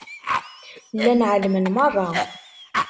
Llan ɛelmen merra.